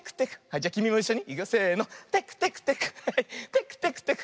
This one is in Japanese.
じゃきみもいっしょに。